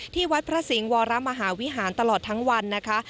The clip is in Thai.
ที่วัดพระสิงห์วรมหาวิหารตลอดทั้งวันนะคะ